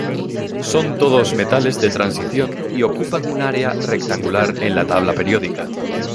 Son todos metales de transición y ocupan un área rectangular en la tabla periódica.